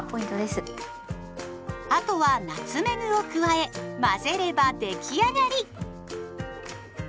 あとはナツメグを加え混ぜれば出来上がり。